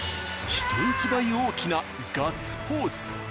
人一倍大きなガッツポーズ。